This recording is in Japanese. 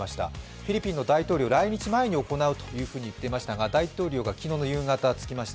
フィリピンの大統領、来日前に行うというふうに言っていましたが大統領が昨日の夕方着きました。